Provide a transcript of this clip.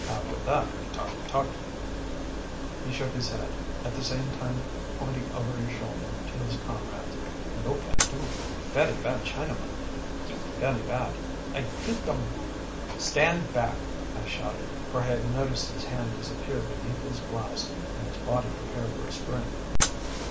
After that we talkee talkee.‚ÄĚ He shook his head, at the same time pointing over his shoulder to his comrades. “No can do. Velly bad Chinamen, heap velly bad. I t’ink um‚ÄĒ‚ÄĚ “Stand back!‚ÄĚ I shouted, for I had noticed his hand disappear beneath his blouse and his body prepare for a spring.